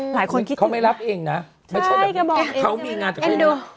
เขาไม่รับเองนะเขามีงานแต่เขาเองนะ